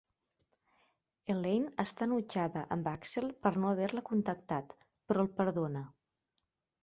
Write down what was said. Elaine està enutjada amb Axel per no haver-la contactat, però el perdona.